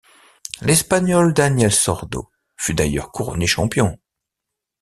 L'Espagnol Daniel Sordo fut d'ailleurs couronné champion.